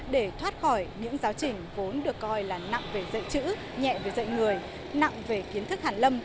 để thoát khỏi những giáo trình vốn được coi là nặng về dạy chữ nhẹ về dạy người nặng về kiến thức hàn lâm